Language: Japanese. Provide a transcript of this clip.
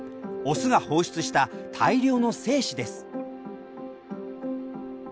オスが放出した大量の精子です。